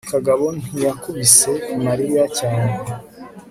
kagabo ntiyakubise mariya cyane